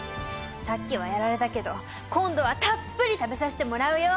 さっきはやられたけど今度はたっぷり食べさせてもらうよ！